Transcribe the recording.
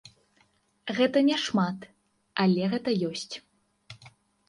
Гэта няшмат, але гэта ёсць.